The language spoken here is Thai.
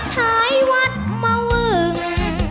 ถ้ายฤทธิ์มาวึ่ง